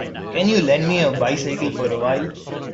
Can you lend me your bycicle for a while.